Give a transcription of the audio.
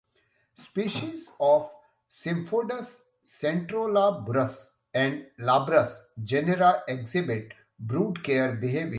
Species of "Symphodus, Centrolabrus", and "Labrus" genera exhibit broodcare behavior.